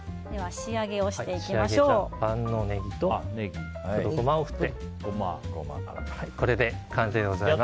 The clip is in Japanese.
仕上げに万能ネギとゴマを振ってこれで完成でございます。